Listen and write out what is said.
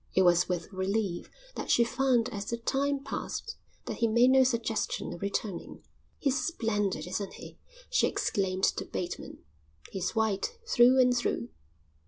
It was with relief that she found as the time passed that he made no suggestion of returning. "He's splendid, isn't he?" she exclaimed to Bateman. "He's white, through and through."